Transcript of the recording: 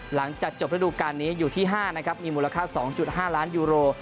หลังจากจบธุรการนี้อยู่ที่๕มีมูลค่า๒๕ล้านยูโร